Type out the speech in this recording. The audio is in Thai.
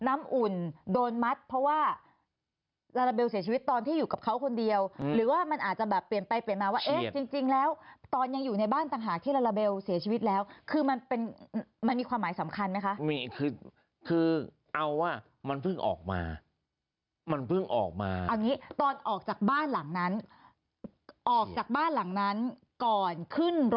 มันเหมือนกับการเลี่ยงสถานบริการ